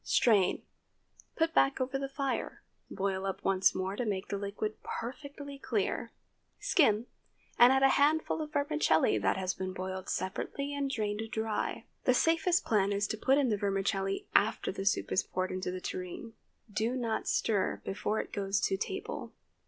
Strain; put back over the fire; boil up once more to make the liquid perfectly clear, skim, and add a handful of vermicelli that has been boiled separately and drained dry. The safest plan is to put in the vermicelli after the soup is poured into the tureen. Do not stir before it goes to table.